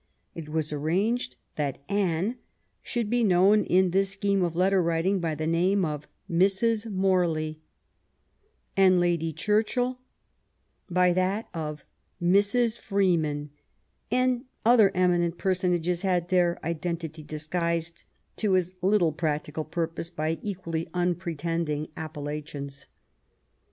It was arranged that Anne should be known in this scheme of letter writing by the name of Mrs. Morley, and Lady Churchill by that of Mrs. Freeman, and other eminent personages had their identity disguised to as little practical purpose by equally unpretending appellations.